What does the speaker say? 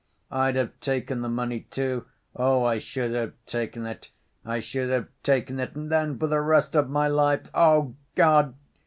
I'd have taken the money, too, oh, I should have taken it; I should have taken it, and then, for the rest of my life ... oh, God!